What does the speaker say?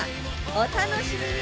お楽しみに！